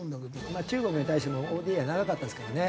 まあ中国に対してもＯＤＡは長かったですからね。